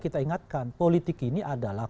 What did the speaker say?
kita ingatkan politik ini adalah